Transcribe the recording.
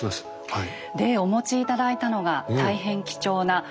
はい。